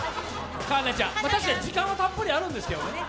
確かに時間はたっぷりあるんですけどね。